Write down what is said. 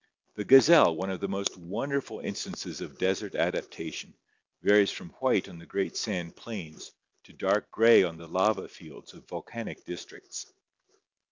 The gazelle, one of the most wonderful instances of desert adapta tion, varies from white on the great sand plains to dark gray on the lava fields of volcanic districts.